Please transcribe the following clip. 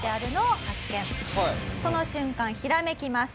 その瞬間ひらめきます。